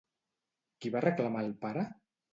Qui va reclamar al pare?